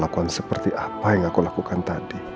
kaper agak delikat